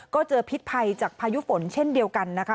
ก็เจอพิษภัยจากพายุฝนเช่นเดียวกันนะคะ